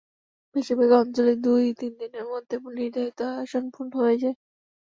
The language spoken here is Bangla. বেশির ভাগ অঞ্চলেই দুই–তিন দিনের মধ্যে নির্ধারিত আসন পূর্ণ হয়ে যায়।